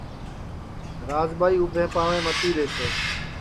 راجٻائی اُٻھے پاںٚوے متی ٻیسے